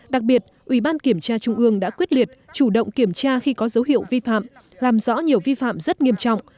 đặc biệt ủy ban kiểm tra trung ương đã quyết liệt chủ động kiểm tra khi có dấu hiệu vi phạm làm rõ nhiều vi phạm rất nghiêm trọng